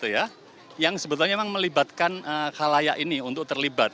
yang sebetulnya memang melibatkan halayak ini untuk terlibat